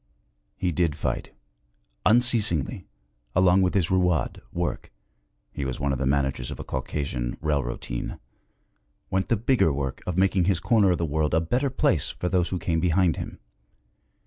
He did fight. Unceasingly, along with his rouad, work, he was one of the managers of a Caucasian railrotine went the bigger work of making his corner of the world a better place for those who came behind him.